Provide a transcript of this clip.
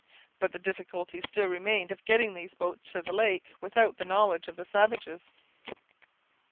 But the difficulty still remained of getting these boats to the lake without the knowledge of the savages.